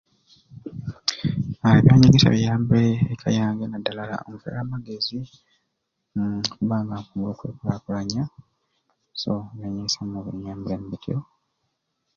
Ebyanyegesya biyambire eka yange nadala nfunire amagezi okubba nga nkusobola okwekulaakulanya nimwo binyambiremu bityo.